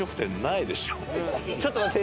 ちょっと待って。